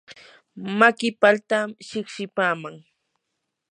maki paltami shiqshipaaman.